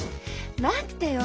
待ってよ。